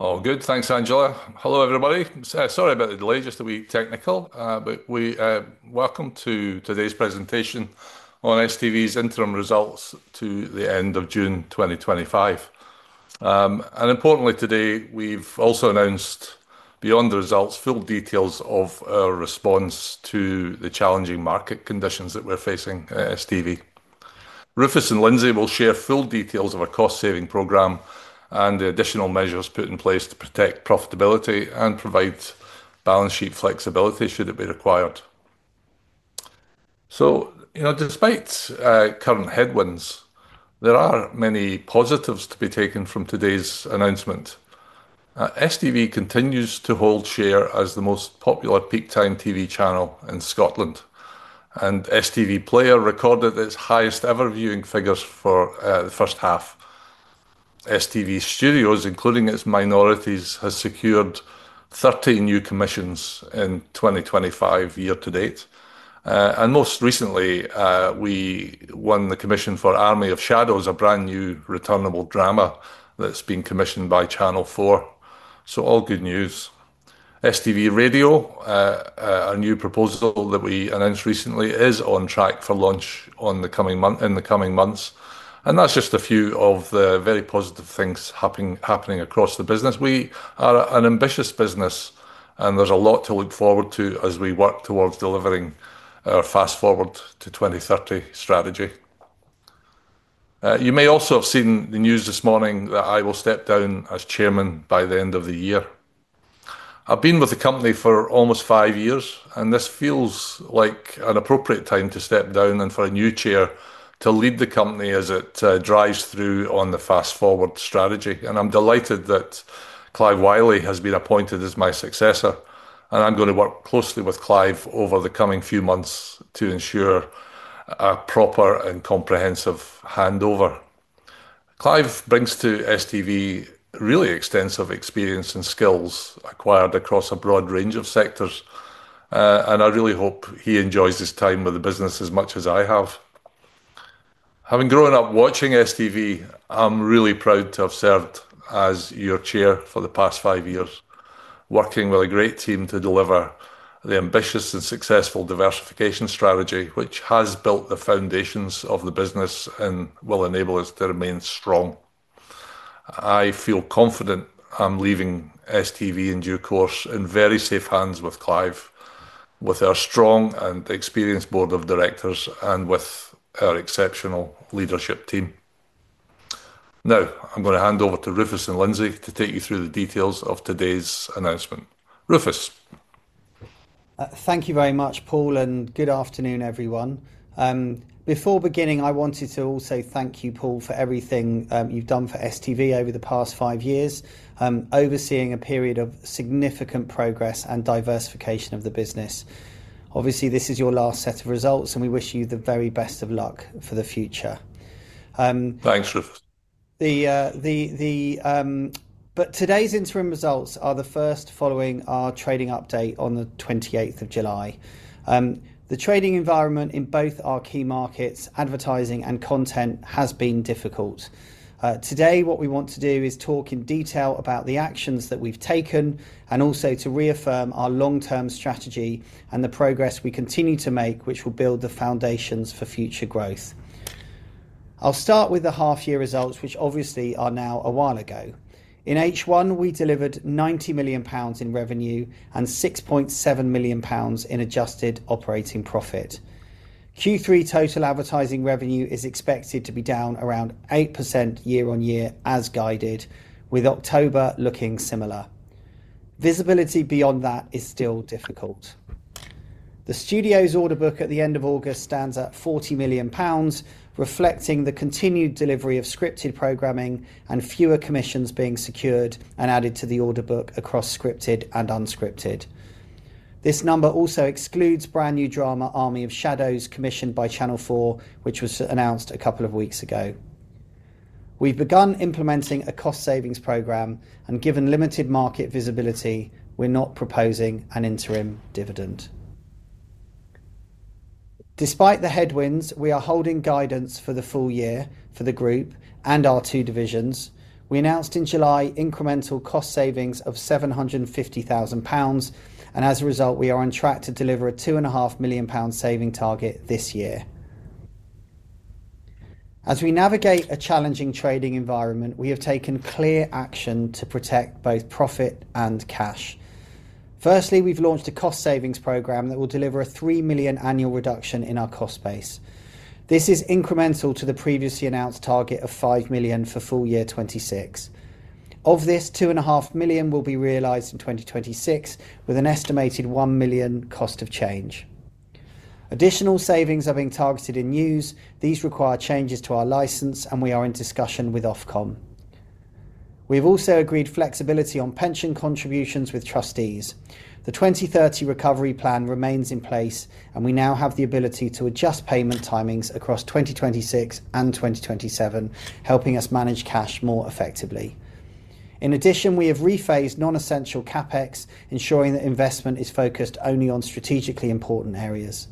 All good, thanks Angela. Hello everybody. Sorry about the delay, just a wee technical, but we welcome you to today's presentation on STV Group plc's interim results to the end of June 2025. Importantly, today we've also announced, beyond the results, full details of our response to the challenging market conditions that we're facing at STV Group plc. Rufus Radcliffe and Lindsay Dixon will share full details of our cost-savings program and the additional measures put in place to protect profitability and provide balance sheet flexibility should it be required. Despite current headwinds, there are many positives to be taken from today's announcement. STV continues to hold share as the most popular peak time TV channel in Scotland, and STV Player recorded its highest ever viewing figures for the first half. STV Studios, including its minorities, has secured 13 new commissions in 2025 year to date. Most recently, we won the commission for Army of Shadows, a brand new returnable drama that's been commissioned by Channel 4. All good news. STV Radio, our new proposal that we announced recently, is on track for launch in the coming months. That's just a few of the very positive things happening across the business. We are an ambitious business, and there's a lot to look forward to as we work towards delivering our Fast Forward to 2030 strategy. You may also have seen the news this morning that I will step down as Chairman by the end of the year. I've been with the company for almost five years, and this feels like an appropriate time to step down and for a new Chair to lead the company as it drives through on the Fast Forward strategy. I'm delighted that Clive Wiley has been appointed as my successor, and I'm going to work closely with Clive over the coming few months to ensure a proper and comprehensive handover. Clive brings to STV Group plc really extensive experience and skills acquired across a broad range of sectors, and I really hope he enjoys his time with the business as much as I have. Having grown up watching STV, I'm really proud to have served as your Chair for the past five years, working with a great team to deliver the ambitious and successful diversification strategy, which has built the foundations of the business and will enable us to remain strong. I feel confident I'm leaving STV Group plc in due course in very safe hands with Clive, with our strong and experienced Board of Directors, and with our exceptional leadership team. Now, I'm going to hand over to Rufus Radcliffe and Lindsay Dixon to take you through the details of today's announcement. Rufus. Thank you very much, Paul, and good afternoon, everyone. Before beginning, I wanted to also thank you, Paul, for everything you've done for STV Group plc over the past five years, overseeing a period of significant progress and diversification of the business. Obviously, this is your last set of results, and we wish you the very best of luck for the future. Thanks, Rufus. Today's interim results are the first following our trading update on July 28. The trading environment in both our key markets, advertising and content, has been difficult. Today, what we want to do is talk in detail about the actions that we've taken and also to reaffirm our long-term strategy and the progress we continue to make, which will build the foundations for future growth. I'll start with the half-year results, which obviously are now a while ago. In H1, we delivered £90 million in revenue and £6.7 million in adjusted operating profit. Q3 total advertising revenue is expected to be down around 8% year on year, as guided, with October looking similar. Visibility beyond that is still difficult. The studio's order book at the end of August stands at £40 million, reflecting the continued delivery of scripted programming and fewer commissions being secured and added to the order book across scripted and unscripted. This number also excludes brand new drama Army of Shadows commissioned by Channel 4, which was announced a couple of weeks ago. We've begun implementing a cost-savings program, and given limited market visibility, we're not proposing an interim dividend. Despite the headwinds, we are holding guidance for the full year for the group and our two divisions. We announced in July incremental cost savings of £750,000, and as a result, we are on track to deliver a £2.5 million saving target this year. As we navigate a challenging trading environment, we have taken clear action to protect both profit and cash. Firstly, we've launched a cost-savings program that will deliver a £3 million annual reduction in our cost base. This is incremental to the previously announced target of £5 million for full year 2026. Of this, £2.5 million will be realized in 2026, with an estimated £1 million cost of change. Additional savings are being targeted in news. These require changes to our license, and we are in discussion with Ofcom. We've also agreed flexibility on pension contributions with trustees. The 2030 recovery plan remains in place, and we now have the ability to adjust payment timings across 2026 and 2027, helping us manage cash more effectively. In addition, we have rephased non-essential CapEx, ensuring that investment is focused only on strategically important areas.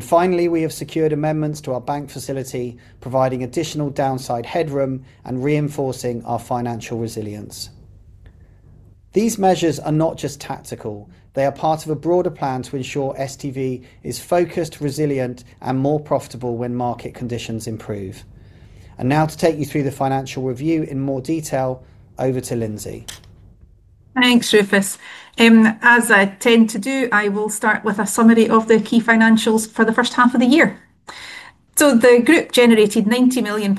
Finally, we have secured amendments to our bank facility, providing additional downside headroom and reinforcing our financial resilience. These measures are not just tactical; they are part of a broader plan to ensure STV Group plc is focused, resilient, and more profitable when market conditions improve. Now, to take you through the financial review in more detail, over to Lindsay. Thanks, Rufus. As I tend to do, I will start with a summary of the key financials for the first half of the year. The group generated £90 million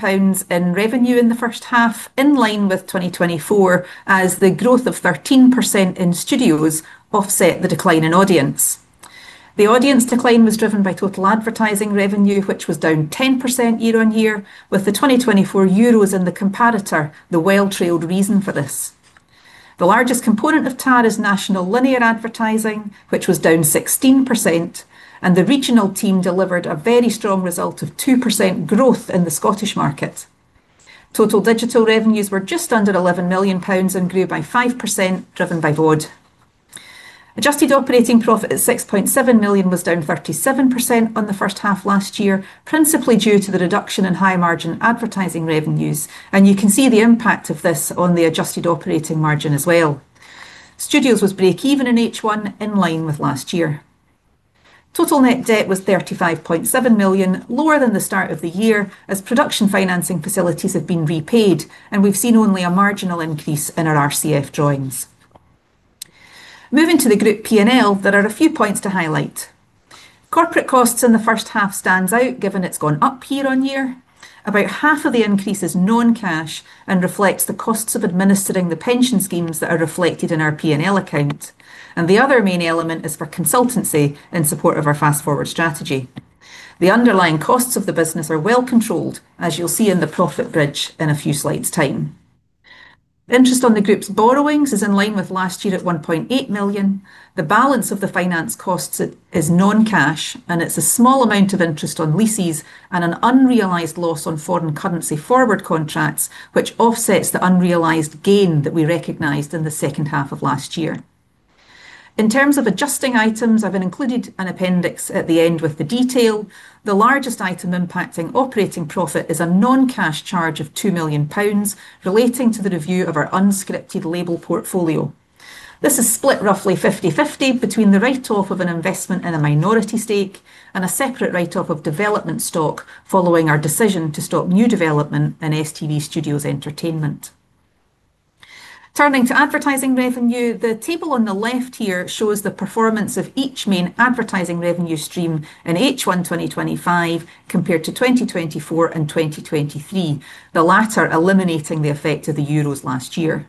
in revenue in the first half, in line with 2024, as the growth of 13% in studios offset the decline in audience. The audience decline was driven by total advertising revenue, which was down 10% year on year, with the 2024 Euros in the comparator the well-trailed reason for this. The largest component of TAR is national linear advertising, which was down 16%, and the regional team delivered a very strong result of 2% growth in the Scottish market. Total digital revenues were just under £11 million and grew by 5%, driven by VOD. Adjusted operating profit at £6.7 million was down 37% on the first half last year, principally due to the reduction in high margin advertising revenues, and you can see the impact of this on the adjusted operating margin as well. Studios was break-even in H1, in line with last year. Total net debt was £35.7 million, lower than the start of the year, as production financing facilities have been repaid, and we've seen only a marginal increase in our RCF drawings. Moving to the group P&L, there are a few points to highlight. Corporate costs in the first half stand out, given it's gone up year on year. About half of the increase is non-cash and reflects the costs of administering the pension schemes that are reflected in our P&L account. The other main element is for consultancy in support of our Fast Forward strategy. The underlying costs of the business are well controlled, as you'll see in the profit bridge in a few slides' time. Interest on the group's borrowings is in line with last year at £1.8 million. The balance of the finance costs is non-cash, and it's a small amount of interest on leases and an unrealized loss on foreign currency forward contracts, which offsets the unrealized gain that we recognized in the second half of last year. In terms of adjusting items, I've included an appendix at the end with the detail. The largest item impacting operating profit is a non-cash charge of £2 million relating to the review of our unscripted label portfolio. This is split roughly 50/50 between the writ-off of an investment and a minority stake and a separate writ-off of development stock following our decision to stop new development in STV Studios Entertainment. Turning to advertising revenue, the table on the left here shows the performance of each main advertising revenue stream in H1 2025 compared to 2024 and 2023, the latter eliminating the effect of the Euros last year.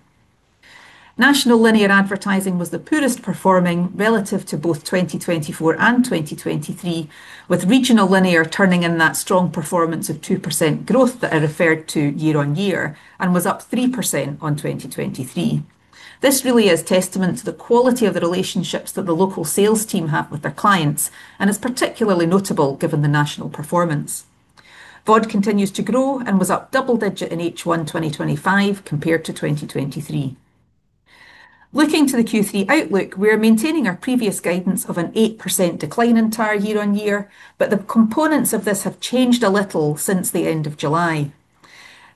National linear advertising was the poorest performing relative to both 2024 and 2023, with regional linear turning in that strong performance of 2% growth that I referred to year on year and was up 3% on 2023. This really is a testament to the quality of the relationships that the local sales team had with their clients and is particularly notable given the national performance. VOD continues to grow and was up double digit in H1 2025 compared to 2023. Looking to the Q3 outlook, we're maintaining our previous guidance of an 8% decline in TAR year on year, but the components of this have changed a little since the end of July.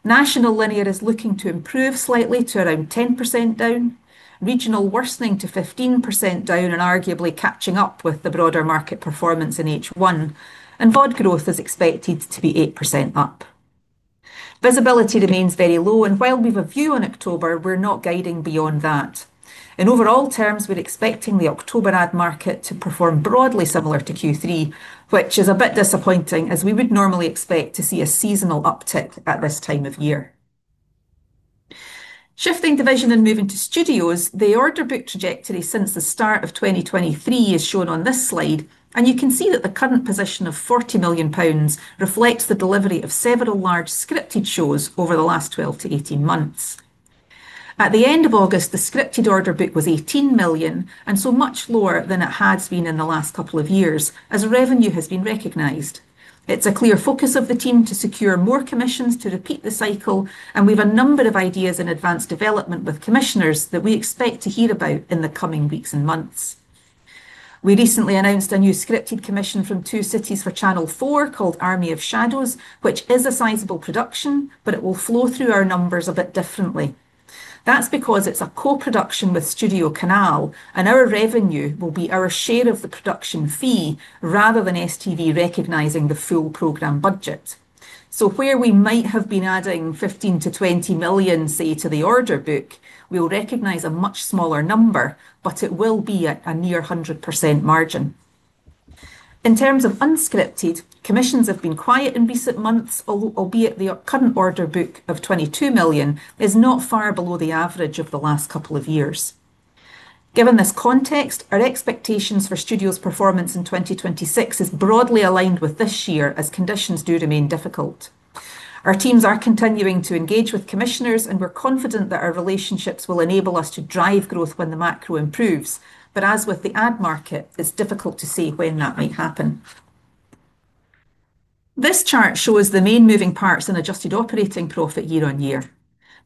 National linear is looking to improve slightly to around 10% down, regional worsening to 15% down and arguably catching up with the broader market performance in H1, and VOD growth is expected to be 8% up. Visibility remains very low, and while we have a view in October, we're not guiding beyond that. In overall terms, we're expecting the October ad market to perform broadly similar to Q3, which is a bit disappointing as we would normally expect to see a seasonal uptick at this time of year. Shifting division and moving to studios, the order book trajectory since the start of 2023 is shown on this slide, and you can see that the current position of £40 million reflects the delivery of several large scripted shows over the last 12 to 18 months. At the end of August, the scripted order book was £18 million, and so much lower than it has been in the last couple of years as revenue has been recognized. It's a clear focus of the team to secure more commissions to repeat the cycle, and we have a number of ideas in advanced development with commissioners that we expect to hear about in the coming weeks and months. We recently announced a new scripted commission from Two Cities for Channel 4 called Army of Shadows, which is a sizable production, but it will flow through our numbers a bit differently. That's because it's a co-production with StudioCanal, and our revenue will be our share of the production fee rather than STV recognizing the full program budget. Where we might have been adding £15 to £20 million, say, to the order book, we'll recognize a much smaller number, but it will be at a near 100% margin. In terms of unscripted, commissions have been quiet in recent months, albeit the current order book of £22 million is not far below the average of the last couple of years. Given this context, our expectations for studios' performance in 2026 are broadly aligned with this year as conditions do remain difficult. Our teams are continuing to engage with commissioners, and we're confident that our relationships will enable us to drive growth when the macro improves, but as with the ad market, it's difficult to see when that might happen. This chart shows the main moving parts in adjusted operating profit year on year.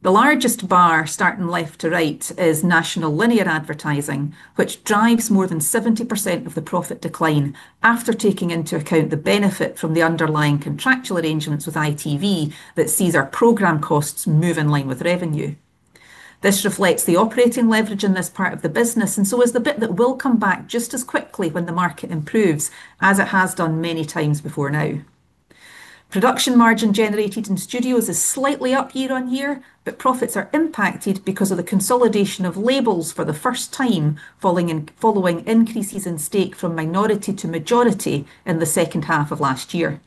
The largest bar starting left to right is national linear advertising, which drives more than 70% of the profit decline after taking into account the benefit from the underlying contractual arrangements with ITV that sees our program costs move in line with revenue. This reflects the operating leverage in this part of the business and so is the bit that will come back just as quickly when the market improves as it has done many times before now. Production margin generated in studios is slightly up year on year, but profits are impacted because of the consolidation of labels for the first time, following increases in stake from minority to majority in the second half of last year.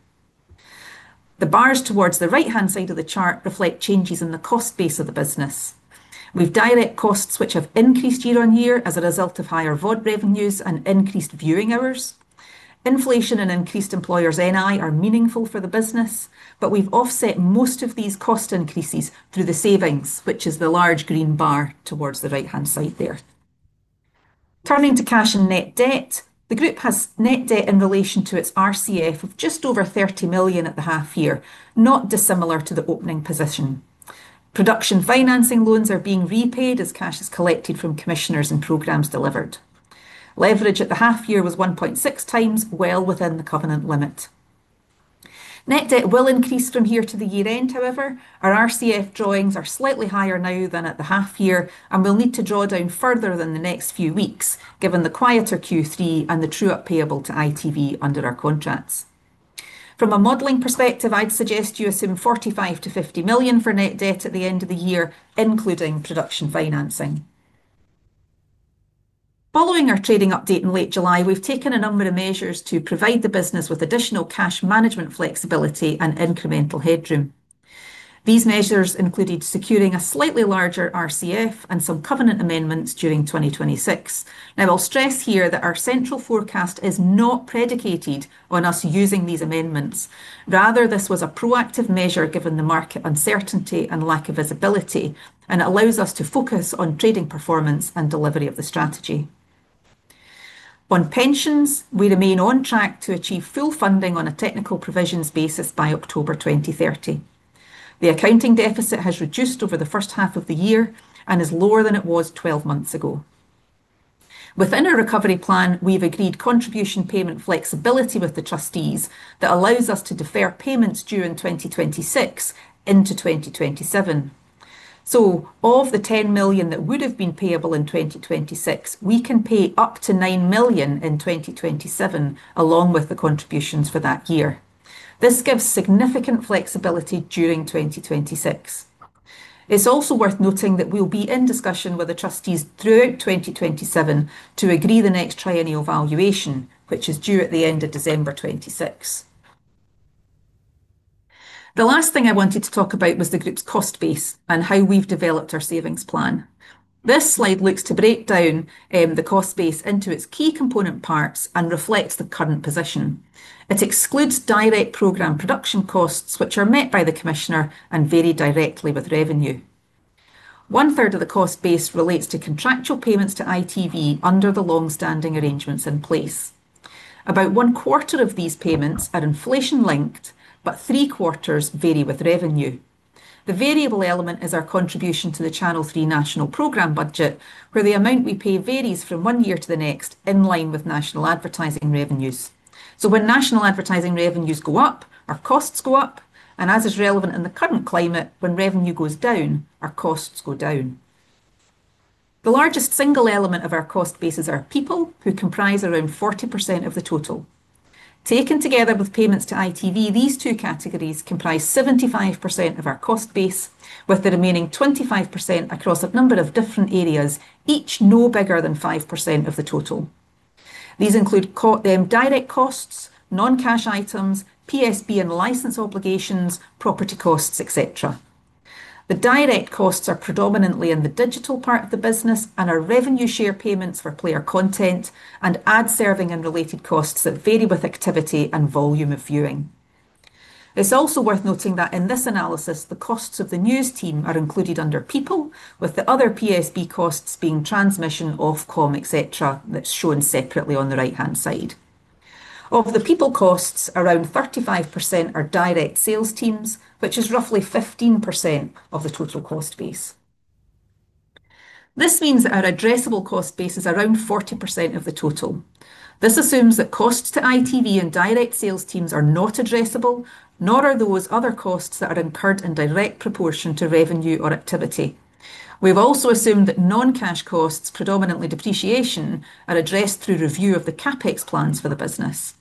The bars towards the right-hand side of the chart reflect changes in the cost base of the business. We have direct costs which have increased year on year as a result of higher VOD revenues and increased viewing hours. Inflation and increased employers' NI are meaningful for the business, but we've offset most of these cost increases through the savings, which is the large green bar towards the right-hand side there. Turning to cash and net debt, the group has net debt in relation to its RCF of just over £30 million at the half year, not dissimilar to the opening position. Production financing loans are being repaid as cash is collected from commissioners and programs delivered. Leverage at the half year was 1.6 times, well within the covenant limit. Net debt will increase from here to the year-end, however. Our RCF drawings are slightly higher now than at the half year, and we'll need to draw down further in the next few weeks, given the quieter Q3 and the true up payable to ITV under our contracts. From a modeling perspective, I'd suggest you assume £45 to £50 million for net debt at the end of the year, including production financing. Following our trading update in late July, we've taken a number of measures to provide the business with additional cash management flexibility and incremental headroom. These measures included securing a slightly larger RCF and some covenant amendments during 2026. I'll stress here that our central forecast is not predicated on us using these amendments. Rather, this was a proactive measure given the market uncertainty and lack of visibility, and it allows us to focus on trading performance and delivery of the strategy. On pensions, we remain on track to achieve full funding on a technical provisions basis by October 2030. The accounting deficit has reduced over the first half of the year and is lower than it was 12 months ago. Within our recovery plan, we've agreed contribution payment flexibility with the trustees that allows us to defer payments during 2026 into 2027. Of the £10 million that would have been payable in 2026, we can pay up to £9 million in 2027, along with the contributions for that year. This gives significant flexibility during 2026. It's also worth noting that we'll be in discussion with the trustees throughout 2027 to agree to the next triennial valuation, which is due at the end of December 2026. The last thing I wanted to talk about was the group's cost base and how we've developed our savings plan. This slide looks to break down the cost base into its key component parts and reflects the current position. It excludes direct program production costs, which are met by the commissioner and vary directly with revenue. One third of the cost base relates to contractual payments to ITV under the longstanding arrangements in place. About one quarter of these payments are inflation-linked, but three quarters vary with revenue. The variable element is our contribution to the Channel 3 national program budget, where the amount we pay varies from one year to the next in line with national advertising revenues. When national advertising revenues go up, our costs go up, and as is relevant in the current climate, when revenue goes down, our costs go down. The largest single element of our cost base is people, who comprise around 40% of the total. Taken together with payments to ITV, these two categories comprise 75% of our cost base, with the remaining 25% across a number of different areas, each no bigger than 5% of the total. These include direct costs, non-cash items, PSB and license obligations, property costs, etc. The direct costs are predominantly in the digital part of the business and are revenue share payments for player content and ad serving and related costs that vary with activity and volume of viewing. It's also worth noting that in this analysis, the costs of the news team are included under people, with the other PSB costs being transmission, Ofcom, etc., that's shown separately on the right-hand side. Of the people costs, around 35% are direct sales teams, which is roughly 15% of the total cost base. This means that our addressable cost base is around 40% of the total. This assumes that costs to ITV and direct sales teams are not addressable, nor are those other costs that are incurred in direct proportion to revenue or activity. We've also assumed that non-cash costs, predominantly depreciation, are addressed through review of the CapEx plans for the business.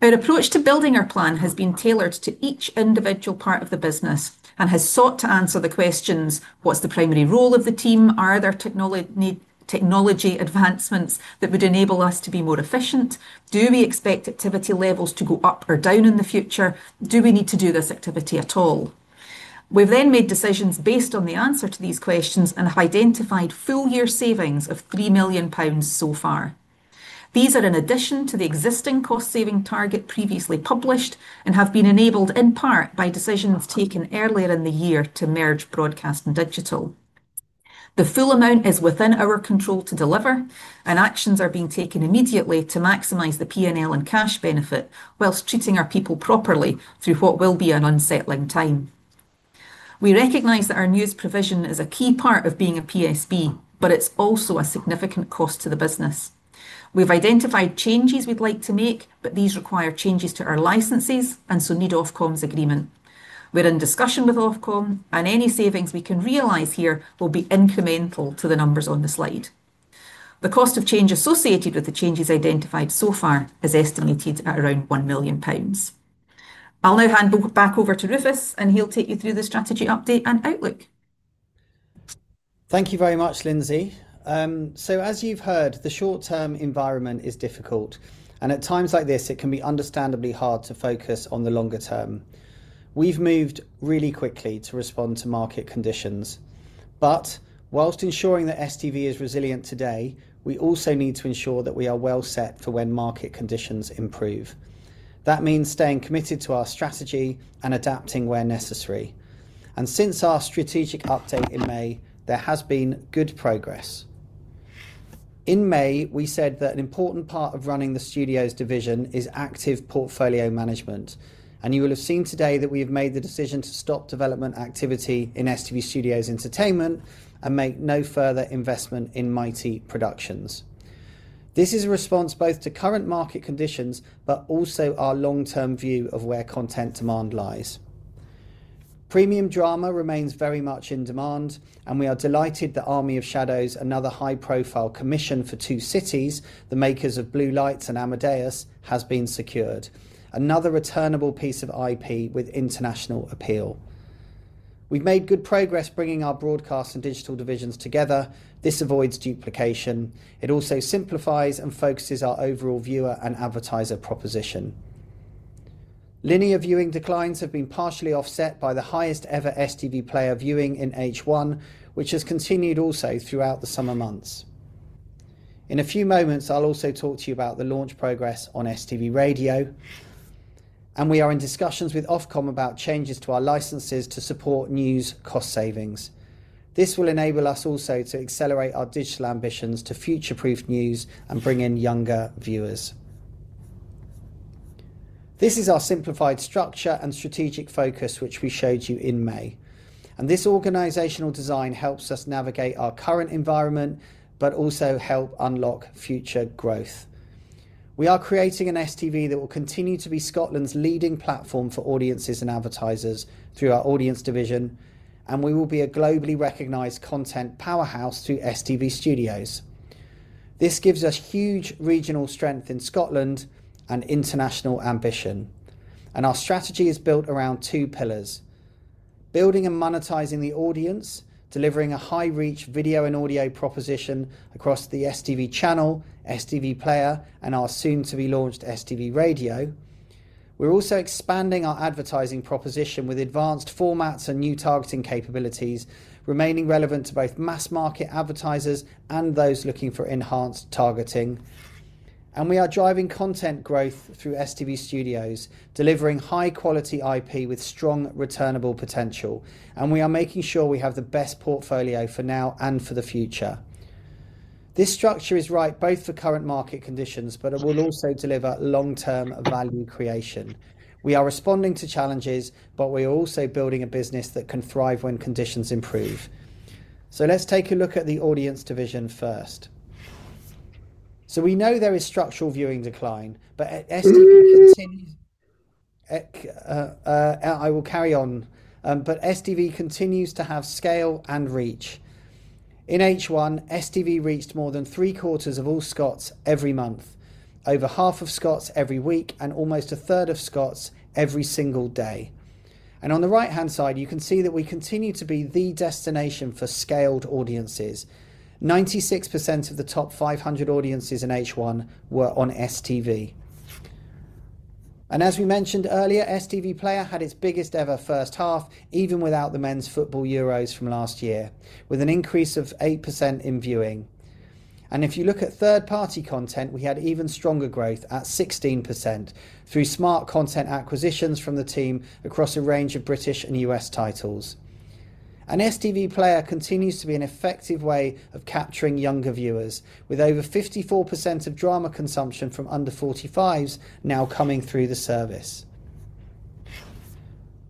Our approach to building our plan has been tailored to each individual part of the business and has sought to answer the questions, what's the primary role of the team? Are there technology advancements that would enable us to be more efficient? Do we expect activity levels to go up or down in the future? Do we need to do this activity at all? We've then made decisions based on the answer to these questions and have identified full-year savings of £3 million so far. These are in addition to the existing cost-saving target previously published and have been enabled in part by decisions taken earlier in the year to merge broadcast and digital. The full amount is within our control to deliver, and actions are being taken immediately to maximize the P&L and cash benefit whilst treating our people properly through what will be an unsettling time. We recognize that our news provision is a key part of being a PSB, but it's also a significant cost to the business. We've identified changes we'd like to make, but these require changes to our licenses and so need Ofcom's agreement. We're in discussion with Ofcom, and any savings we can realize here will be incremental to the numbers on the slide. The cost of change associated with the changes identified so far is estimated at around £1 million. I'll now hand back over to Rufus, and he'll take you through the strategy update and outlook. Thank you very much, Lindsay. As you've heard, the short-term environment is difficult, and at times like this, it can be understandably hard to focus on the longer term. We've moved really quickly to respond to market conditions, but whilst ensuring that STV is resilient today, we also need to ensure that we are well set for when market conditions improve. That means staying committed to our strategy and adapting where necessary. Since our strategic update in May, there has been good progress. In May, we said that an important part of running the studios division is active portfolio management, and you will have seen today that we have made the decision to stop development activity in STV Studios Entertainment and make no further investment in Mighty Productions. This is a response both to current market conditions, but also our long-term view of where content demand lies. Premium drama remains very much in demand, and we are delighted that Army of Shadows, another high-profile commission for Two Cities, the makers of Blue Lights and Amadeus, has been secured, another returnable piece of IP with international appeal. We've made good progress bringing our broadcast and digital divisions together. This avoids duplication. It also simplifies and focuses our overall viewer and advertiser proposition. Linear viewing declines have been partially offset by the highest ever STV Player viewing in H1, which has continued also throughout the summer months. In a few moments, I'll also talk to you about the launch progress on STV Radio, and we are in discussions with Ofcom about changes to our licenses to support news cost savings. This will enable us also to accelerate our digital ambitions to future-proof news and bring in younger viewers. This is our simplified structure and strategic focus which we showed you in May, and this organizational design helps us navigate our current environment, but also help unlock future growth. We are creating an STV that will continue to be Scotland's leading platform for audiences and advertisers through our audience division, and we will be a globally recognized content powerhouse through STV Studios. This gives us huge regional strength in Scotland and international ambition, and our strategy is built around two pillars: building and monetizing the audience, delivering a high-reach video and audio proposition across the STV channel, STV Player, and our soon-to-be launched STV Radio. We're also expanding our advertising proposition with advanced formats and new targeting capabilities, remaining relevant to both mass market advertisers and those looking for enhanced targeting. We are driving content growth through STV Studios, delivering high-quality IP with strong returnable potential, and we are making sure we have the best portfolio for now and for the future. This structure is right both for current market conditions, but it will also deliver long-term value creation. We are responding to challenges, but we are also building a business that can thrive when conditions improve. Let's take a look at the audience division first. We know there is structural viewing decline, but STV continues to have scale and reach. In H1, STV reached more than three quarters of all Scots every month, over half of Scots every week, and almost a third of Scots every single day. On the right-hand side, you can see that we continue to be the destination for scaled audiences. 96% of the top 500 audiences in H1 were on STV. As we mentioned earlier, STV Player had its biggest ever first half, even without the men's football Euros from last year, with an increase of 8% in viewing. If you look at third-party content, we had even stronger growth at 16% through smart content acquisitions from the team across a range of British and U.S. titles. STV Player continues to be an effective way of capturing younger viewers, with over 54% of drama consumption from under 45s now coming through the service.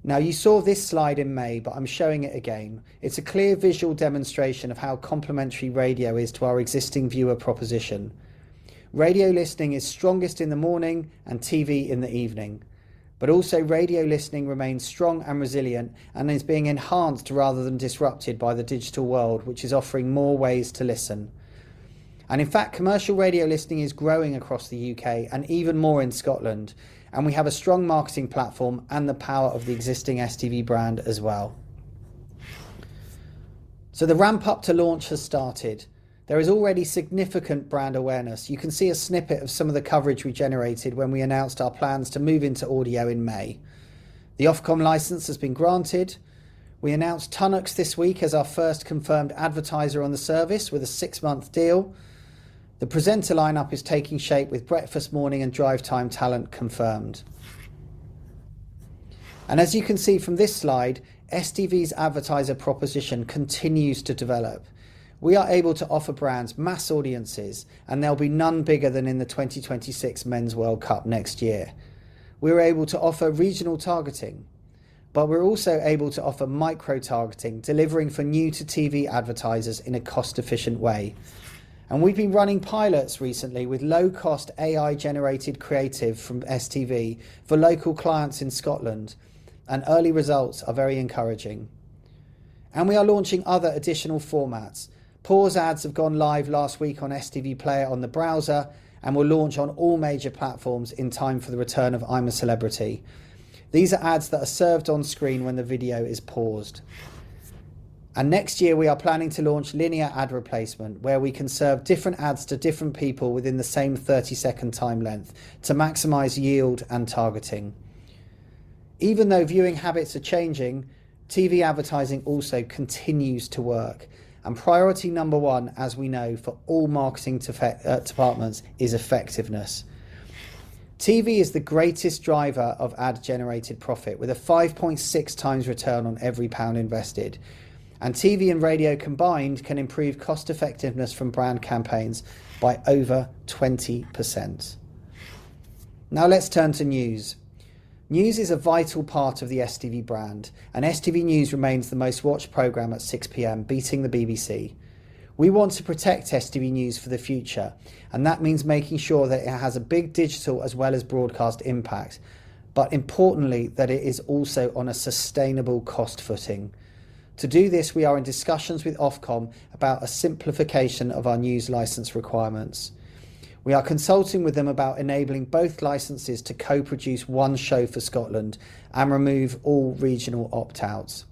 You saw this slide in May, but I'm showing it again. It's a clear visual demonstration of how complementary radio is to our existing viewer proposition. Radio listening is strongest in the morning and TV in the evening, but also radio listening remains strong and resilient and is being enhanced rather than disrupted by the digital world, which is offering more ways to listen. In fact, commercial radio listening is growing across the UK and even more in Scotland, and we have a strong marketing platform and the power of the existing STV brand as well. The ramp-up to launch has started. There is already significant brand awareness. You can see a snippet of some of the coverage we generated when we announced our plans to move into audio in May. The Ofcom license has been granted. We announced Tunnux this week as our first confirmed advertiser on the service with a six-month deal. The presenter lineup is taking shape with Breakfast Morning and Drive Time Talent confirmed. As you can see from this slide, STV's advertiser proposition continues to develop. We are able to offer brands mass audiences, and there'll be none bigger than in the 2026 Men's World Cup next year. We are able to offer regional targeting, but we're also able to offer micro-targeting, delivering for new to TV advertisers in a cost-efficient way. We have been running pilots recently with low-cost AI-generated creative from STV for local clients in Scotland, and early results are very encouraging. We are launching other additional formats. Pause ads have gone live last week on STV Player on the browser, and we'll launch on all major platforms in time for the return of I'm a Celebrity. These are ads that are served on screen when the video is paused. Next year, we are planning to launch linear ad replacement, where we can serve different ads to different people within the same 30-second time length to maximize yield and targeting. Even though viewing habits are changing, TV advertising also continues to work, and priority number one, as we know, for all marketing departments is effectiveness. TV is the greatest driver of ad-generated profit, with a 5.6 times return on every pound invested. TV and radio combined can improve cost-effectiveness from brand campaigns by over 20%. Now let's turn to news. News is a vital part of the STV brand, and STV News remains the most watched program at 6:00 P.M., beating the BBC. We want to protect STV News for the future, and that means making sure that it has a big digital as well as broadcast impact, but importantly, that it is also on a sustainable cost footing. To do this, we are in discussions with Ofcom about a simplification of our news license requirements. We are consulting with them about enabling both licenses to co-produce one show for Scotland and remove all regional opt-outs.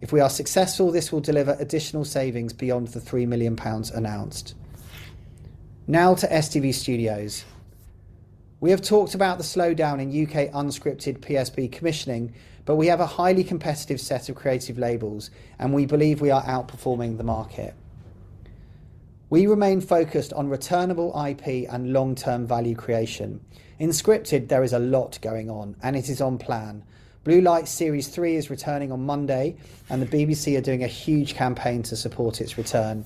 If we are successful, this will deliver additional savings beyond the £3 million announced. Now to STV Studios. We have talked about the slowdown in UK unscripted PSB commissioning, but we have a highly competitive set of creative labels, and we believe we are outperforming the market. We remain focused on returnable IP and long-term value creation. In scripted, there is a lot going on, and it is on plan. Blue Light Series 3 is returning on Monday, and the BBC are doing a huge campaign to support its return.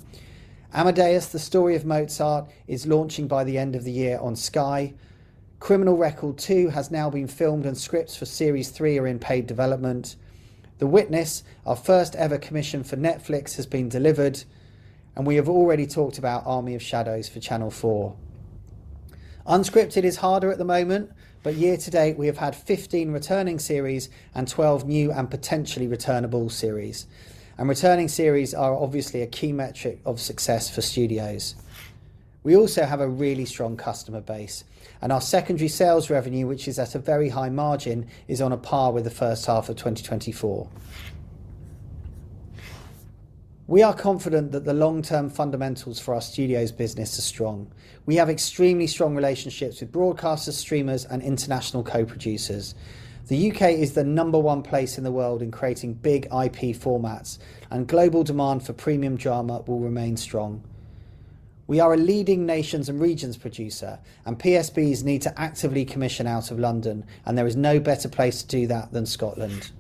Amadeus, The Story of Mozart, is launching by the end of the year on Sky. Criminal Recall 2 has now been filmed, and scripts for Series 3 are in paid development. The Witness, our first ever commission for Netflix, has been delivered, and we have already talked about Army of Shadows for Channel 4. Unscripted is harder at the moment, but year to date, we have had 15 returning series and 12 new and potentially returnable series, and returning series are obviously a key metric of success for studios. We also have a really strong customer base, and our secondary sales revenue, which is at a very high margin, is on a par with the first half of 2024. We are confident that the long-term fundamentals for our studios business are strong. We have extremely strong relationships with broadcasters, streamers, and international co-producers. The UK is the number one place in the world in creating big IP formats, and global demand for premium drama will remain strong. We are a leading nations and regions producer, and PSBs need to actively commission out of London, and there is no better place to do that than Scotland.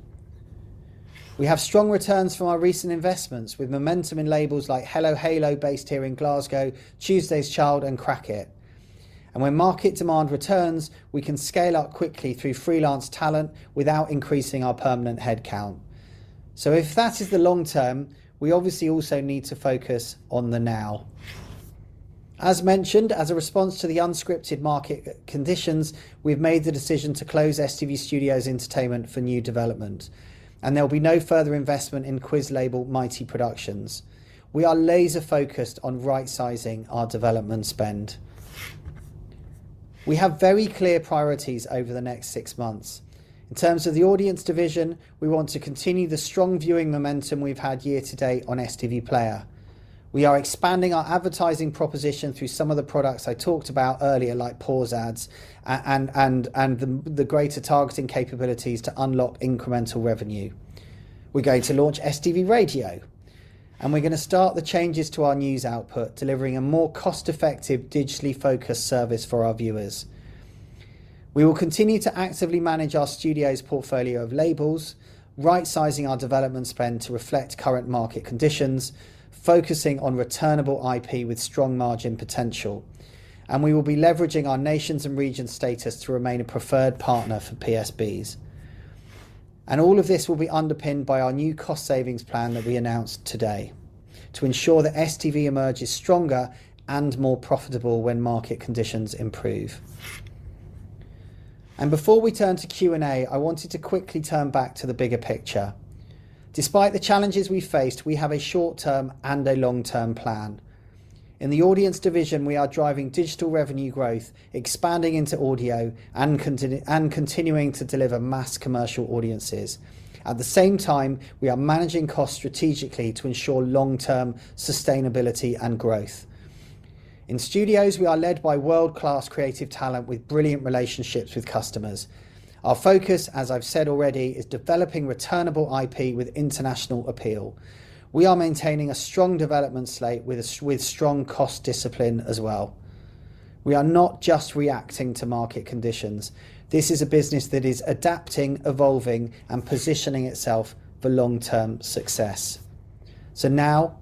We have strong returns from our recent investments, with momentum in labels like Hello Halo, based here in Glasgow, Tuesday's Child, and Crack It. When market demand returns, we can scale up quickly through freelance talent without increasing our permanent headcount. If that is the long term, we obviously also need to focus on the now. As mentioned, as a response to the unscripted market conditions, we've made the decision to close STV Studios Entertainment for new development, and there'll be no further investment in quiz label Mighty Productions. We are laser-focused on right-sizing our development spend. We have very clear priorities over the next six months. In terms of the audience division, we want to continue the strong viewing momentum we've had year to date on STV Player. We are expanding our advertising proposition through some of the products I talked about earlier, like pause ads and the greater targeting capabilities to unlock incremental revenue. We're going to launch STV Radio, and we're going to start the changes to our news output, delivering a more cost-effective, digitally focused service for our viewers. We will continue to actively manage our studios' portfolio of labels, right-sizing our development spend to reflect current market conditions, focusing on returnable IP with strong margin potential, and we will be leveraging our nations and regions status to remain a preferred partner for PSBs. All of this will be underpinned by our new cost-savings plan that we announced today to ensure that STV emerges stronger and more profitable when market conditions improve. Before we turn to Q&A, I wanted to quickly turn back to the bigger picture. Despite the challenges we faced, we have a short-term and a long-term plan. In the audience division, we are driving digital revenue growth, expanding into audio, and continuing to deliver mass commercial audiences. At the same time, we are managing costs strategically to ensure long-term sustainability and growth. In studios, we are led by world-class creative talent with brilliant relationships with customers. Our focus, as I've said already, is developing returnable IP with international appeal. We are maintaining a strong development slate with strong cost discipline as well. We are not just reacting to market conditions. This is a business that is adapting, evolving, and positioning itself for long-term success. Now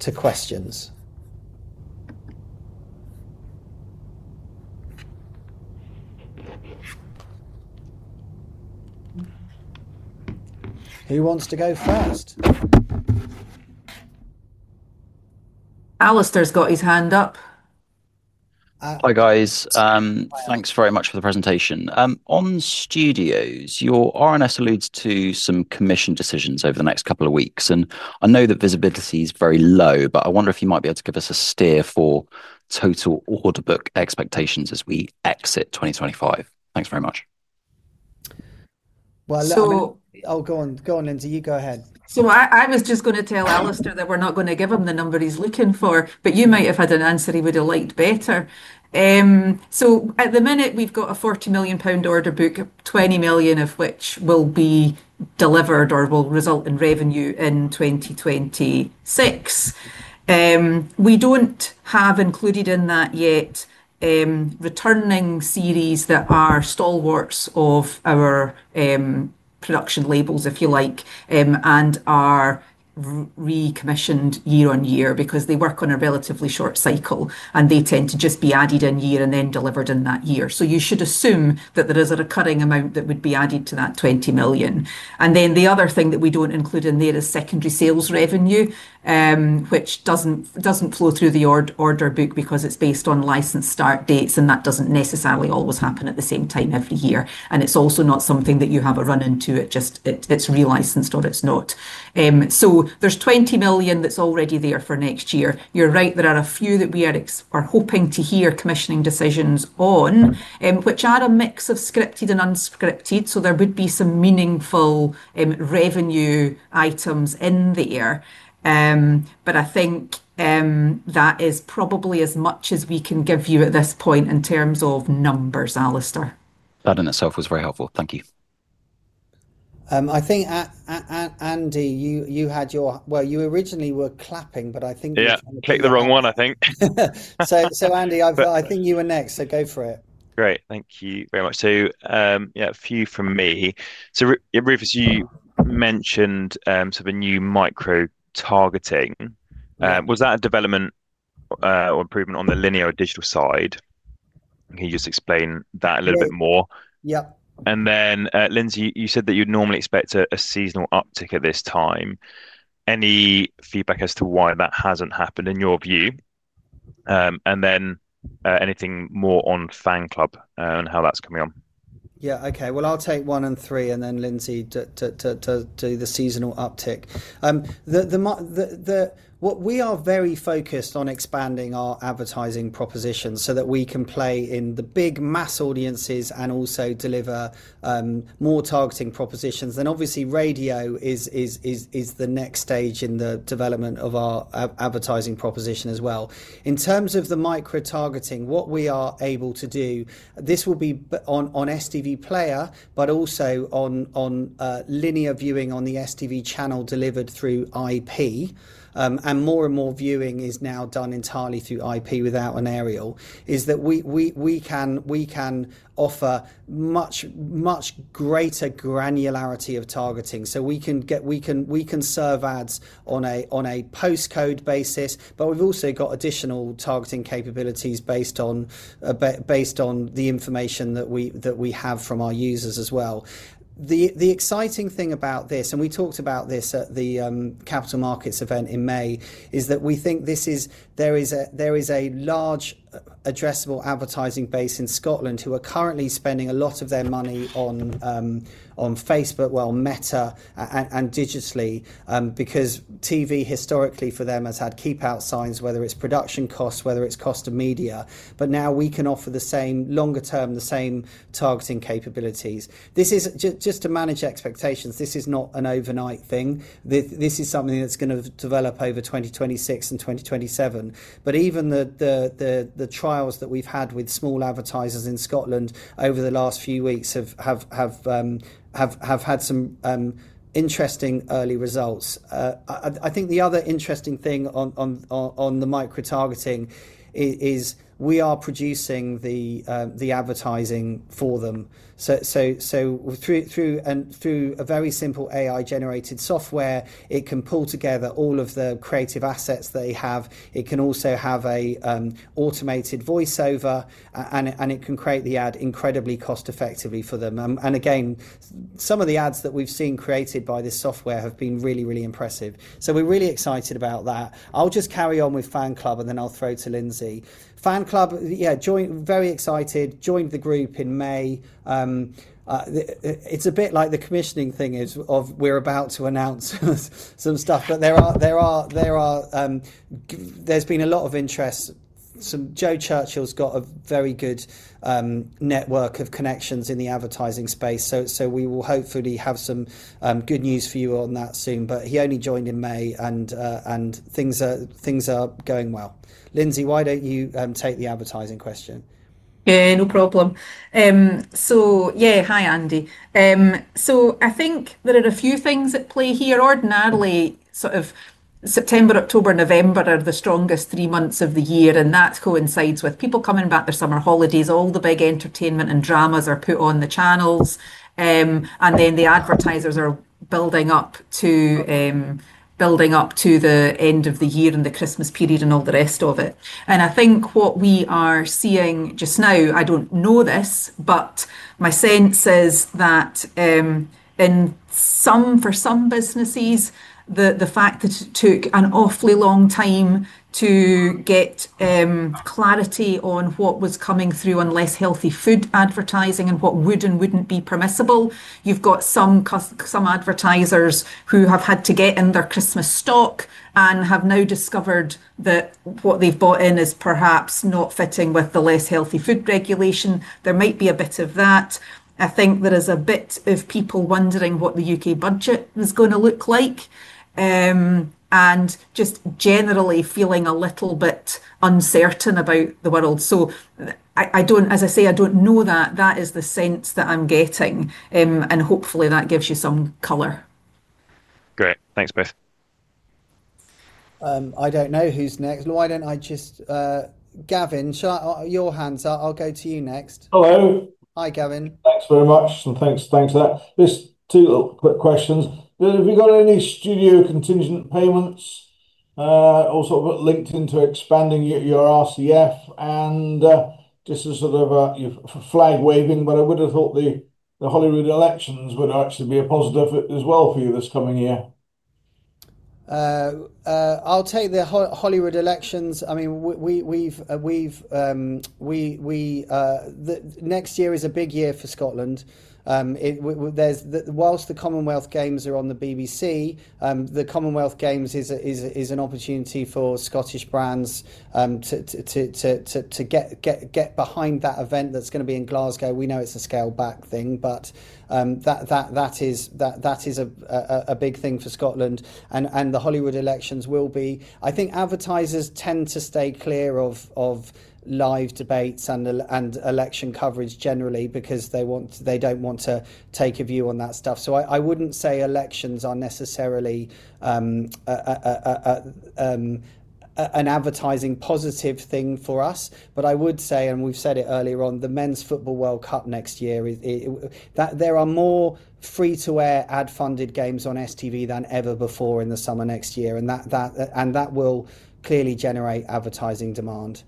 to questions. Who wants to go first? Alastair's got his hand up. Hi guys, thanks very much for the presentation. On studios, your RNS alludes to some commission decisions over the next couple of weeks, and I know that visibility is very low, but I wonder if you might be able to give us a steer for total order book expectations as we exit 2025. Thanks very much. I'll go on, and you go ahead. I was just going to tell Alastair that we're not going to give him the number he's looking for, but you might have had an answer he would have liked better. At the minute, we've got a £40 million order book, £20 million of which will be delivered or will result in revenue in 2026. We don't have included in that yet returning series that are stalwarts of our production labels, if you like, and are recommissioned year on year because they work on a relatively short cycle, and they tend to just be added in year and then delivered in that year. You should assume that there is a recurring amount that would be added to that £20 million. The other thing that we don't include in there is secondary sales revenue, which doesn't flow through the order book because it's based on license start dates, and that doesn't necessarily always happen at the same time every year. It's also not something that you have a run into. It's just it's re-licensed or it's not. There's £20 million that's already there for next year. You're right, there are a few that we are hoping to hear commissioning decisions on, which are a mix of scripted and unscripted. There would be some meaningful revenue items in there. I think that is probably as much as we can give you at this point in terms of numbers, Alastair. That in itself was very helpful. Thank you. I think Andy, you had your, you originally were clapping, I think. I clicked the wrong one, I think. I think you were next, so go for it. Great, thank you very much. Yeah, a few from me. Rufus, you mentioned sort of a new micro-targeting. Was that a development or improvement on the linear or digital side? Can you just explain that a little bit more? Yeah. Lindsay, you said that you'd normally expect a seasonal uptick at this time. Any feedback as to why that hasn't happened in your view? Anything more on Fan Club and how that's coming on? Okay, I'll take one and three, and then Lindsay to the seasonal uptick. What we are very focused on is expanding our advertising proposition so that we can play in the big mass audiences and also deliver more targeting propositions. Obviously, radio is the next stage in the development of our advertising proposition as well. In terms of the micro-targeting, what we are able to do, this will be on STV Player, but also on linear viewing on the STV channel delivered through IP. More and more viewing is now done entirely through IP without an aerial. We can offer much, much greater granularity of targeting. We can serve ads on a postcode basis, but we've also got additional targeting capabilities based on the information that we have from our users as well. The exciting thing about this, and we talked about this at the Capital Markets event in May, is that we think there is a large addressable advertising base in Scotland who are currently spending a lot of their money on Facebook, well, Meta and digitally, because TV historically for them has had keep-out signs, whether it's production costs or cost of media. Now we can offer, longer term, the same targeting capabilities. This is just to manage expectations. This is not an overnight thing. This is something that's going to develop over 2026 and 2027. Even the trials that we've had with small advertisers in Scotland over the last few weeks have had some interesting early results. I think the other interesting thing on the micro-targeting is we are producing the advertising for them. Through a very simple AI-generated software, it can pull together all of the creative assets they have. It can also have an automated voiceover, and it can create the ad incredibly cost-effectively for them. Some of the ads that we've seen created by this software have been really, really impressive. We're really excited about that. I'll just carry on with Fan Club, and then I'll throw it to Lindsay. Fan Club, yeah, very excited, joined the group in May. It's a bit like the commissioning thing of we're about to announce some stuff, but there's been a lot of interest. Joe Churchill's got a very good network of connections in the advertising space. We will hopefully have some good news for you on that soon, but he only joined in May, and things are going well. Lindsay, why don't you take the advertising question? Yeah, no problem. Hi Andy. I think there are a few things at play here. Ordinarily, September, October, and November are the strongest three months of the year, and that coincides with people coming back from summer holidays. All the big entertainment and dramas are put on the channels, and the advertisers are building up to the end of the year and the Christmas period and all the rest of it. I think what we are seeing just now, I don't know this, but my sense is that for some businesses, the fact that it took an awfully long time to get clarity on what was coming through on less healthy food advertising and what would and wouldn't be permissible. You've got some advertisers who have had to get in their Christmas stock and have now discovered that what they've bought in is perhaps not fitting with the less healthy food regulation. There might be a bit of that. I think there is a bit of people wondering what the UK budget is going to look like and just generally feeling a little bit uncertain about the world. I don't, as I say, I don't know that. That is the sense that I'm getting, and hopefully that gives you some color. Great, thanks both. I don't know who's next. Why don't I just, Gavin, your hand's up. I'll go to you next. Hello. Hi Gavin. Thanks very much, and thanks for that. Just two quick questions. Have you got any studio contingent payments? Also, I've got LinkedIn to expanding your RCF, and just a sort of flag waving, but I would have thought the Hollywood elections would actually be a positive as well for you this coming year. I'll take the Holyrood elections. Next year is a big year for Scotland. Whilst the Commonwealth Games are on the BBC, the Commonwealth Games is an opportunity for Scottish brands to get behind that event that's going to be in Glasgow. We know it's a scale-back thing, but that is a big thing for Scotland, and the Holyrood elections will be. I think advertisers tend to stay clear of live debates and election coverage generally because they don't want to take a view on that stuff. I wouldn't say elections are necessarily an advertising positive thing for us, but I would say, and we've said it earlier on, the Men's Football World Cup next year, that there are more free-to-air ad-funded games on STV than ever before in the summer next year, and that will clearly generate advertising demand.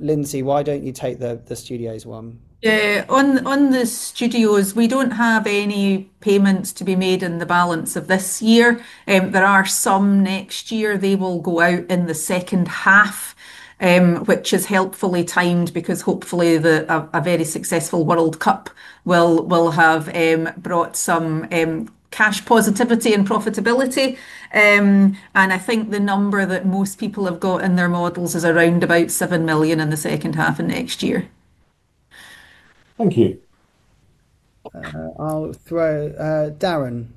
Lindsay, why don't you take the studios one? On the studios, we don't have any payments to be made in the balance of this year. There are some next year. They will go out in the second half, which is helpfully timed because hopefully a very successful World Cup will have brought some cash positivity and profitability. I think the number that most people have got in their models is around about £7 million in the second half of next year. Thank you. I'll throw to Darin.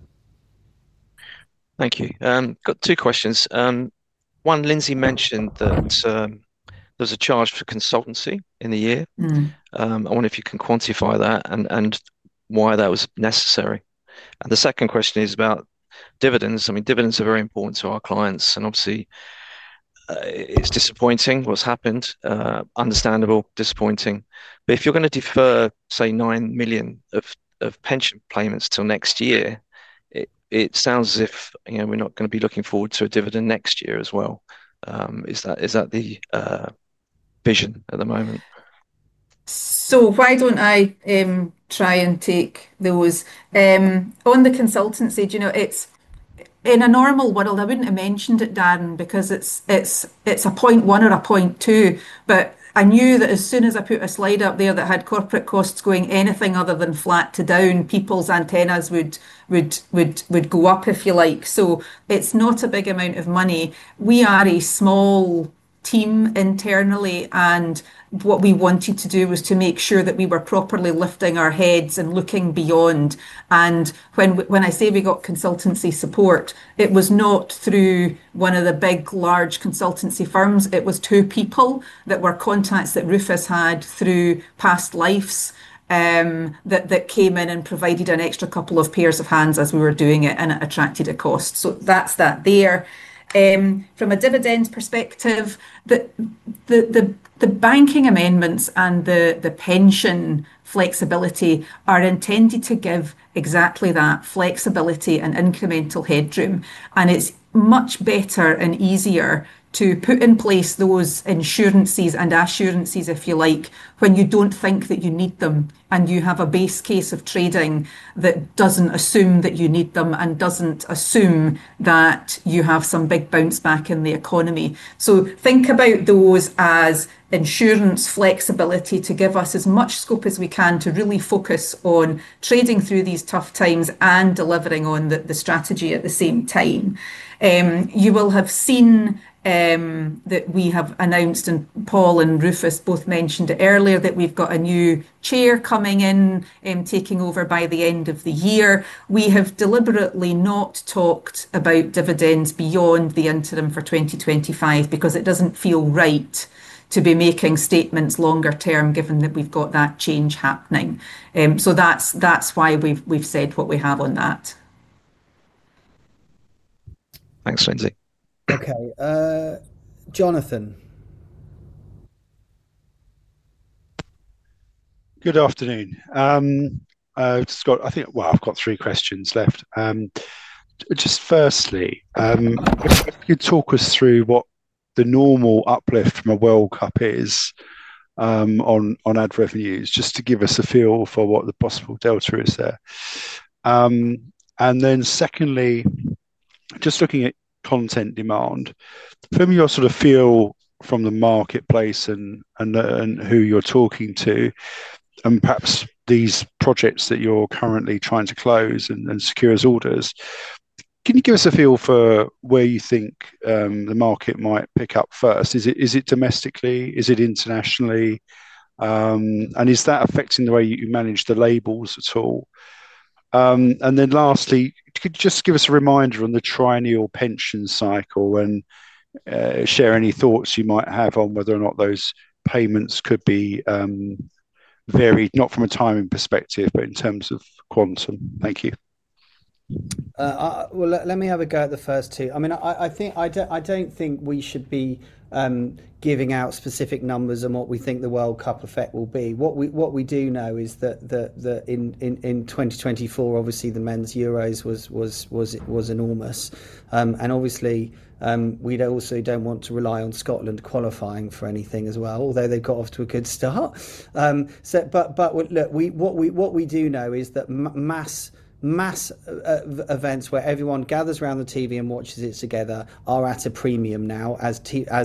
Thank you. I've got two questions. One, Lindsay mentioned that there's a charge for consultancy in the year. I wonder if you can quantify that and why that was necessary. The second question is about dividends. Dividends are very important to our clients, and obviously it's disappointing what's happened. Understandable, disappointing. If you're going to defer, say, £9 million of pension payments till next year, it sounds as if we're not going to be looking forward to a dividend next year as well. Is that the vision at the moment? Why don't I try and take those? On the consultancy, in a normal world, I wouldn't have mentioned it, Darren, because it's a point one or a point two. I knew that as soon as I put a slide out there that had corporate costs going anything other than flat to down, people's antennas would go up, if you like. It's not a big amount of money. We are a small team internally, and what we wanted to do was to make sure that we were properly lifting our heads and looking beyond. When I say we got consultancy support, it was not through one of the big, large consultancy firms. It was two people that were contacts that Rufus had through past lives that came in and provided an extra couple of pairs of hands as we were doing it, and it attracted a cost. That's that there. From a dividend perspective, the banking amendments and the pension flexibility are intended to give exactly that flexibility and incremental headroom. It's much better and easier to put in place those insurances and assurances, if you like, when you don't think that you need them, and you have a base case of trading that doesn't assume that you need them and doesn't assume that you have some big bounce back in the economy. Think about those as insurance flexibility to give us as much scope as we can to really focus on trading through these tough times and delivering on the strategy at the same time. You will have seen that we have announced, and Paul and Rufus both mentioned earlier, that we've got a new Chair coming in and taking over by the end of the year. We have deliberately not talked about dividends beyond the interim for 2025 because it doesn't feel right to be making statements longer term, given that we've got that change happening. That's why we've said what we have on that. Thanks, Lindsay. Okay, Jonathan? Good afternoon. I've got three questions left. Firstly, could you talk us through what the normal uplift from a World Cup is on ad revenues, just to give us a feel for what the possible delta is there? Secondly, just looking at content demand, from your sort of feel from the marketplace and who you're talking to, and perhaps these projects that you're currently trying to close and secure as orders, can you give us a feel for where you think the market might pick up first? Is it domestically? Is it internationally? Is that affecting the way you manage the labels at all? Lastly, could you just give us a reminder on the triennial pension cycle and share any thoughts you might have on whether or not those payments could be varied, not from a timing perspective, but in terms of quantum? Thank you. Let me have a go at the first two. I don't think we should be giving out specific numbers on what we think the World Cup effect will be. What we do know is that in 2024, obviously, the men's Euros was enormous. We also don't want to rely on Scotland qualifying for anything as well, although they've got off to a good start. What we do know is that mass events where everyone gathers around the TV and watches it together are at a premium now as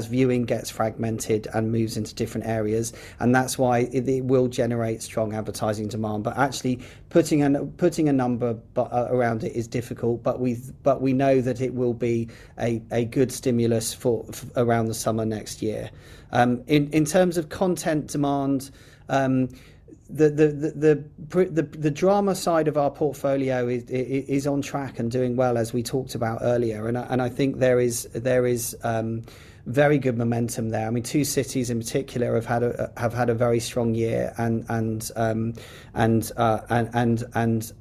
viewing gets fragmented and moves into different areas. That's why it will generate strong advertising demand. Actually, putting a number around it is difficult, but we know that it will be a good stimulus for around the summer next year. In terms of content demand, the drama side of our portfolio is on track and doing well, as we talked about earlier. I think there is very good momentum there. Two Cities in particular have had a very strong year and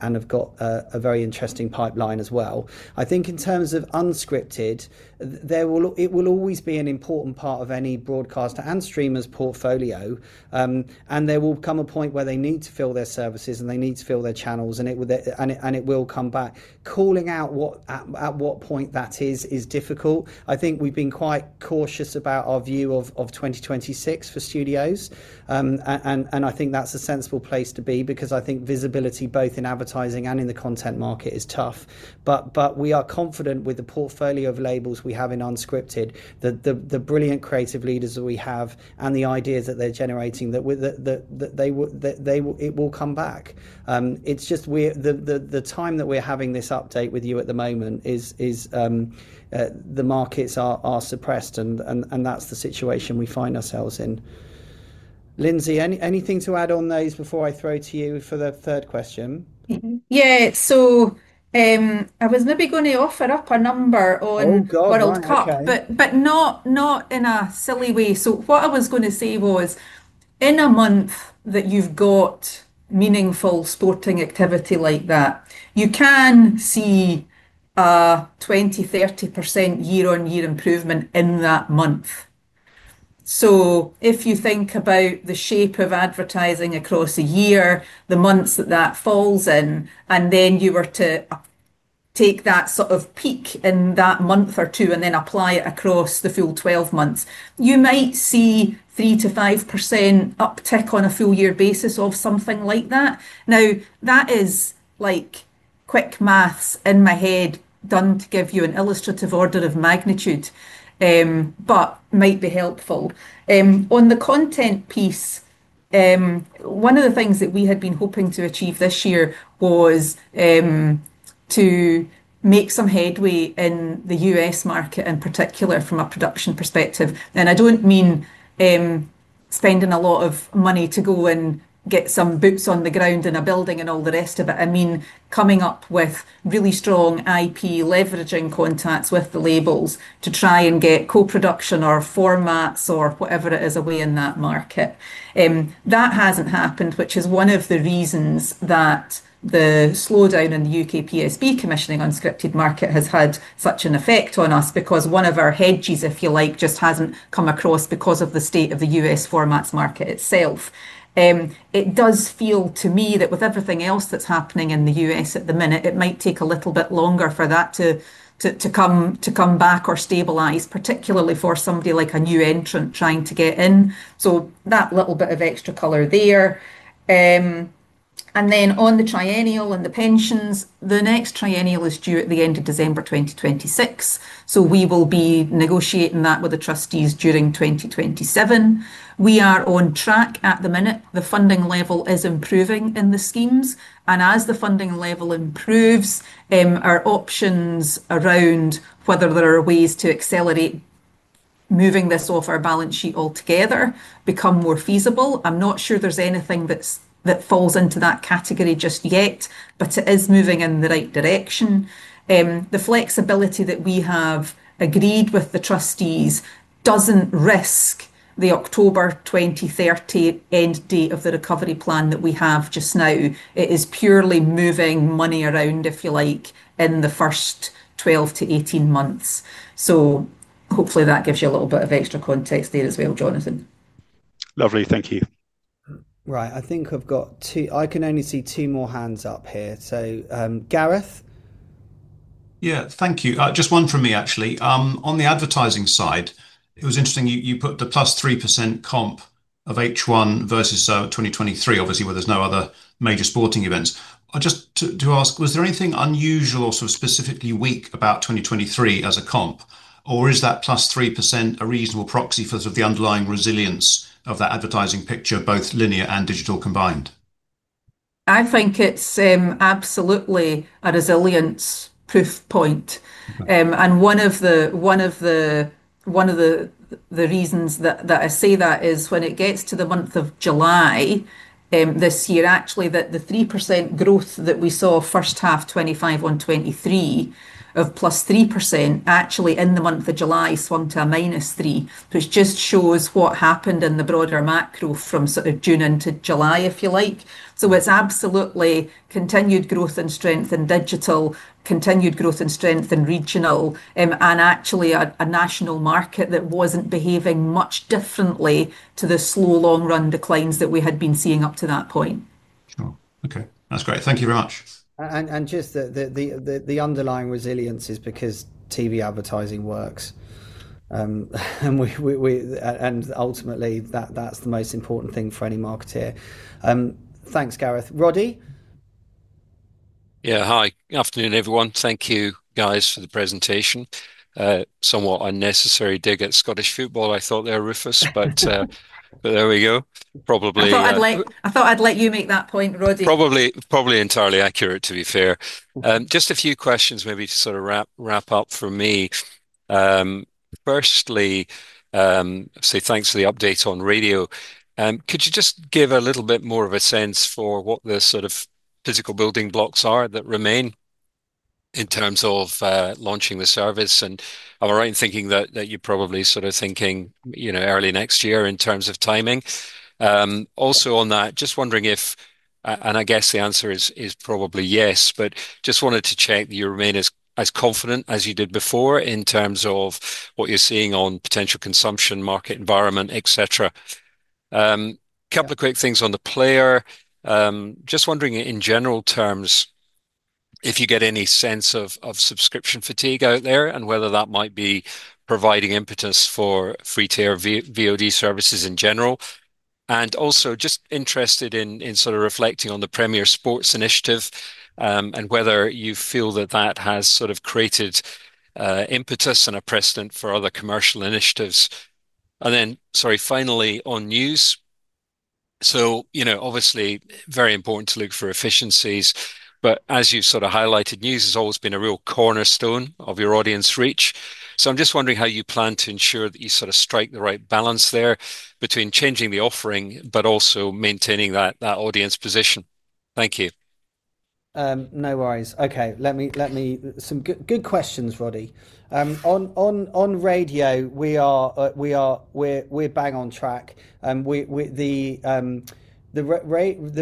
have got a very interesting pipeline as well. In terms of unscripted, it will always be an important part of any broadcaster and streamer's portfolio. There will come a point where they need to fill their services and they need to fill their channels, and it will come back. Calling out at what point that is is difficult. I think we've been quite cautious about our view of 2026 for studios. I think that's a sensible place to be because I think visibility both in advertising and in the content market is tough. We are confident with the portfolio of labels we have in unscripted, the brilliant creative leaders that we have, and the ideas that they're generating that it will come back. It's just the time that we're having this update with you at the moment is the markets are suppressed, and that's the situation we find ourselves in. Lindsay, anything to add on those before I throw to you for the third question? Yeah, I was maybe going to offer up a number on World Cup, but not in a silly way. What I was going to say was in a month that you've got meaningful sporting activity like that, you can see a 20-30% year-on-year improvement in that month. If you think about the shape of advertising across a year, the months that that falls in, and then you were to take that sort of peak in that month or two and then apply it across the full 12 months, you might see 3-5% uptick on a full year basis of something like that. That is like quick maths in my head done to give you an illustrative order of magnitude, but might be helpful. On the content piece, one of the things that we had been hoping to achieve this year was to make some headway in the U.S. market, in particular from a production perspective. I don't mean spending a lot of money to go and get some boots on the ground in a building and all the rest of it. I mean coming up with really strong IP, leveraging contacts with the labels to try and get co-production or formats or whatever it is away in that market. That hasn't happened, which is one of the reasons that the slowdown in the UK PSB commissioning unscripted market has had such an effect on us because one of our hedges, if you like, just hasn't come across because of the state of the U.S. formats market itself. It does feel to me that with everything else that's happening in the U.S. at the minute, it might take a little bit longer for that to come back or stabilize, particularly for somebody like a new entrant trying to get in. That little bit of extra color there. On the triennial and the pensions, the next triennial is due at the end of December 2026. We will be negotiating that with the trustees during 2027. We are on track at the minute. The funding level is improving in the schemes. As the funding level improves, our options around whether there are ways to accelerate moving this off our balance sheet altogether become more feasible. I'm not sure there's anything that falls into that category just yet, but it is moving in the right direction. The flexibility that we have agreed with the trustees doesn't risk the October 2030 end date of the recovery plan that we have just now. It is purely moving money around, if you like, in the first 12 to 18 months. Hopefully that gives you a little bit of extra context there as well, Jonathan. Lovely, thank you. Right, I think I've got two, I can only see two more hands up here. Gareth? Thank you. Just one from me, actually. On the advertising side, it was interesting you put the +3% comp of H1 versus 2023, obviously where there's no other major sporting events. I just do ask, was there anything unusual or sort of specifically weak about 2023 as a comp? Or is that +3% a reasonable proxy for sort of the underlying resilience of the advertising picture, both linear and digital combined? I think it's absolutely a resilience proof point. One of the reasons that I say that is when it gets to the month of July this year, actually, the 3% growth that we saw first half 2025 on 2023 of plus 3% actually in the month of July swung to a minus 3%. It just shows what happened in the broader macro from June into July, if you like. It's absolutely continued growth and strength in digital, continued growth and strength in regional, and actually a national market that wasn't behaving much differently to the slow long-run declines that we had been seeing up to that point. Sure, okay, that's great. Thank you very much. The underlying resilience is because TV advertising works. Ultimately, that's the most important thing for any marketeer. Thanks, Gareth. Roddy? Yeah, hi, good afternoon everyone. Thank you guys for the presentation. Somewhat unnecessary dig at Scottish football, I thought there, Rufus, but there we go. I thought I'd let you make that point, Roddy. Probably entirely accurate, to be fair. Just a few questions, maybe to sort of wrap up for me. Firstly, say thanks for the update on radio. Could you just give a little bit more of a sense for what the sort of physical building blocks are that remain in terms of launching the service? I'm already thinking that you're probably sort of thinking, you know, early next year in terms of timing. Also on that, just wondering if, and I guess the answer is probably yes, but just wanted to check that you remain as confident as you did before in terms of what you're seeing on potential consumption, market environment, etc. A couple of quick things on the player. Just wondering in general terms if you get any sense of subscription fatigue out there and whether that might be providing impetus for free-tier VOD services in general. Also just interested in sort of reflecting on the Premier Sports initiative and whether you feel that that has sort of created impetus and a precedent for other commercial initiatives. Finally on news, obviously very important to look for efficiencies, but as you've sort of highlighted, news has always been a real cornerstone of your audience reach. I'm just wondering how you plan to ensure that you sort of strike the right balance there between changing the offering but also maintaining that audience position. Thank you. No worries. Okay, let me, some good questions, Roddy. On radio, we are bang on track. The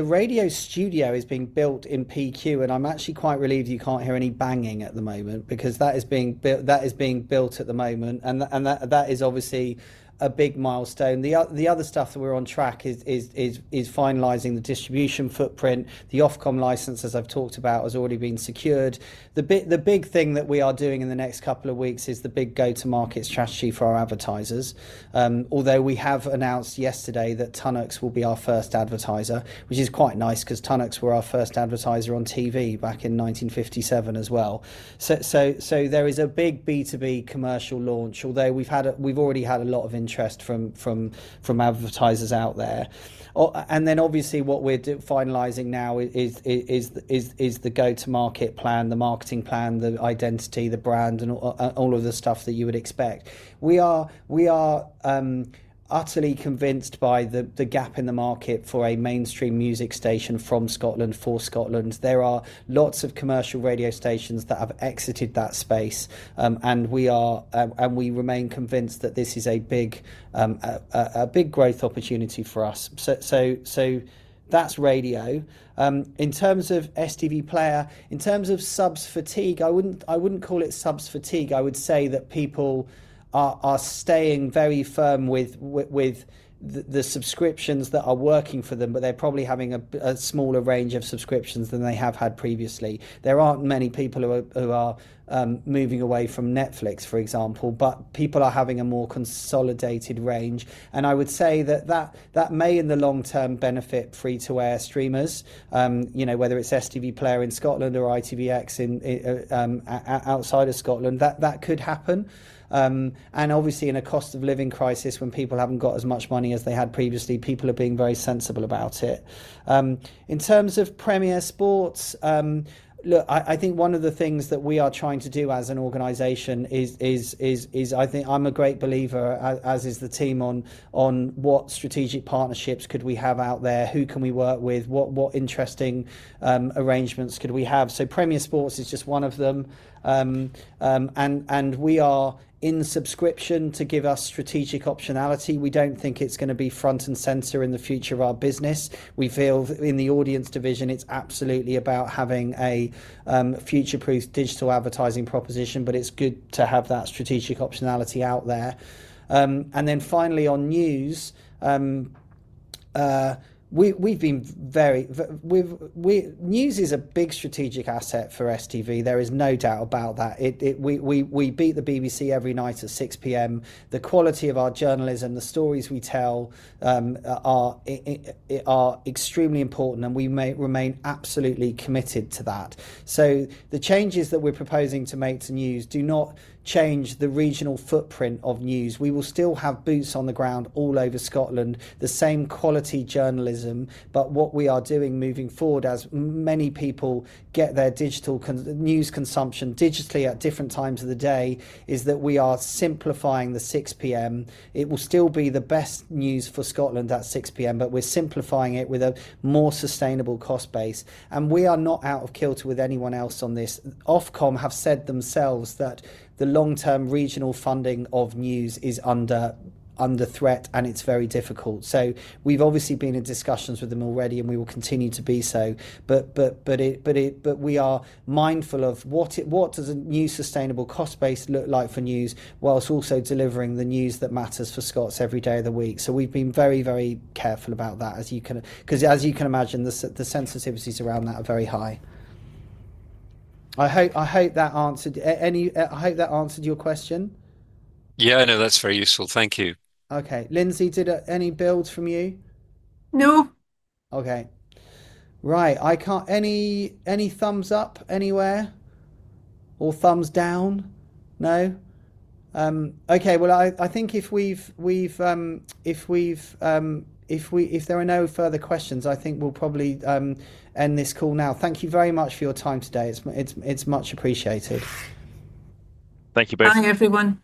radio studio is being built in PQ, and I'm actually quite relieved you can't hear any banging at the moment because that is being built at the moment, and that is obviously a big milestone. The other stuff that we're on track is finalizing the distribution footprint. The Ofcom license, as I've talked about, has already been secured. The big thing that we are doing in the next couple of weeks is the big go-to-market strategy for our advertisers. Although we have announced yesterday that Tunnux will be our first advertiser, which is quite nice because Tunnux were our first advertiser on TV back in 1957 as well. There is a big B2B commercial launch, although we've already had a lot of interest from advertisers out there. Obviously, what we're finalizing now is the go-to-market plan, the marketing plan, the identity, the brand, and all of the stuff that you would expect. We are utterly convinced by the gap in the market for a mainstream music station from Scotland for Scotland. There are lots of commercial radio stations that have exited that space, and we remain convinced that this is a big growth opportunity for us. That's radio. In terms of STV Player, in terms of subs fatigue, I wouldn't call it subs fatigue. I would say that people are staying very firm with the subscriptions that are working for them, but they're probably having a smaller range of subscriptions than they have had previously. There aren't many people who are moving away from Netflix, for example, but people are having a more consolidated range. I would say that that may in the long term benefit free-to-air streamers, you know, whether it's STV Player in Scotland or ITVX outside of Scotland, that could happen. Obviously, in a cost of living crisis, when people haven't got as much money as they had previously, people are being very sensible about it. In terms of Premier Sports, look, I think one of the things that we are trying to do as an organization is, I think I'm a great believer, as is the team, on what strategic partnerships could we have out there, who can we work with, what interesting arrangements could we have. Premier Sports is just one of them. We are in subscription to give us strategic optionality. We don't think it's going to be front and center in the future of our business. We feel that in the audience division, it's absolutely about having a future-proof digital advertising proposition, but it's good to have that strategic optionality out there. Finally, on news, we've been very, news is a big strategic asset for STV. There is no doubt about that. We beat the BBC every night at 6:00 P.M. The quality of our journalism, the stories we tell are extremely important, and we remain absolutely committed to that. The changes that we're proposing to make to news do not change the regional footprint of news. We will still have boots on the ground all over Scotland, the same quality journalism, but what we are doing moving forward, as many people get their news consumption digitally at different times of the day, is that we are simplifying the 6:00 P.M. It will still be the best news for Scotland at 6:00 P.M., but we're simplifying it with a more sustainable cost base. We are not out of kilter with anyone else on this. Ofcom have said themselves that the long-term regional funding of news is under threat, and it's very difficult. We've obviously been in discussions with them already, and we will continue to be so. We are mindful of what does a new sustainable cost base look like for news, whilst also delivering the news that matters for Scots every day of the week. We've been very, very careful about that, as you can imagine, the sensitivities around that are very high. I hope that answered your question. Yeah, no, that's very useful. Thank you. Okay, Lindsay, any builds from you? No. Okay, right. Any thumbs up anywhere? Or thumbs down? No? If there are no further questions, I think we'll probably end this call now. Thank you very much for your time today. It's much appreciated. Thank you both. Bye everyone. Bye.